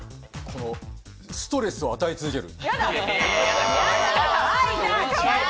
ストレスを与え続ける。